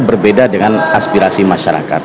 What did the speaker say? berbeda dengan aspirasi masyarakat